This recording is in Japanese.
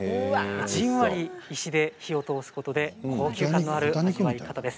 じんわり石で火を通すことで高級感のある味わい方です。